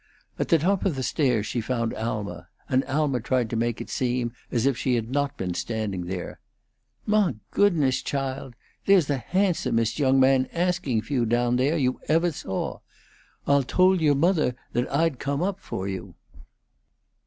At the top of the stairs she found Alma, and Alma tried to make it seem as if she had not been standing there. "Mah goodness, chald! there's the handsomest young man asking for you down there you evah saw. Alh told you' mothah Ah would come up fo' you."